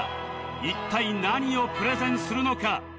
一体何をプレゼンするのか？